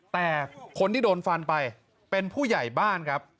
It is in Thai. แต่คนที่โดนฟันไปเป็นผู้ใหญ่บ้านครับ